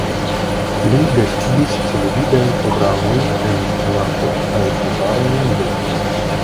Li gastigis televidajn programojn en Finnlando kaj najbaraj landoj.